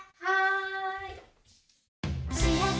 はい。